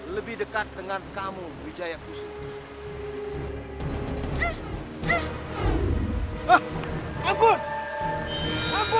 lebih dekat dengan kamu wijayaku suma